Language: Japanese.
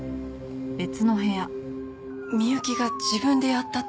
美幸が自分でやったと？